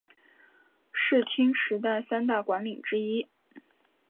室町时代三大管领之一。